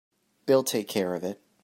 They'll take care of it.